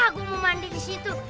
aku mau mandi di situ